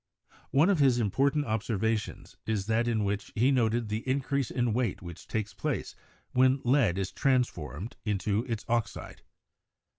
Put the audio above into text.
One of his important observations is that in which he noted the increase in weight which takes place when lead is transformed into its oxide.